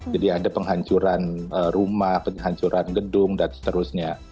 jadi ada penghancuran rumah penghancuran gedung dan seterusnya